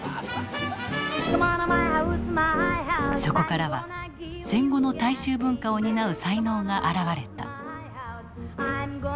そこからは戦後の大衆文化を担う才能が現れた。